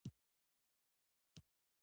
له وریجو څخه دم پخ پخیږي.